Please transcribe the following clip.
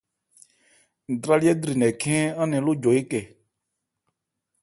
Ntrályɛ lri nkɛ khɛ́n án nɛn ló jɔ ékɛ.